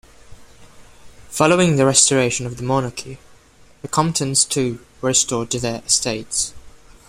Following the restoration of the monarchy, the Comptons too were restored to their estates.